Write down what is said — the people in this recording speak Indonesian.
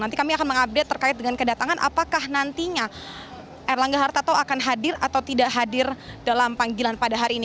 nanti kami akan mengupdate terkait dengan kedatangan apakah nantinya erlangga hartarto akan hadir atau tidak hadir dalam panggilan pada hari ini